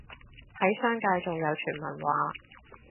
喺商界仲有傳聞話